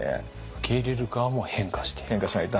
受け入れる側も変化していく。